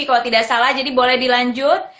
kalau tidak salah jadi boleh dilanjut